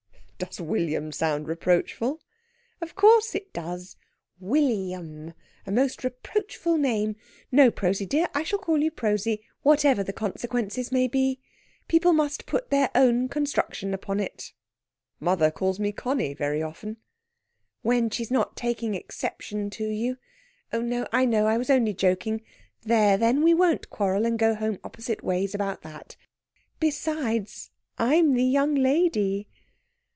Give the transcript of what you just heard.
"Does William sound reproachful?" "Of course it does! Willy yum! A most reproachful name. No, Prosy dear, I shall call you Prosy, whatever the consequences may be. People must put their own construction upon it." "Mother calls me Conny very often." "When she's not taking exception to you ... oh, no! I know. I was only joking ... there, then! we won't quarrel and go home opposite ways about that. Besides, I'm the young lady...."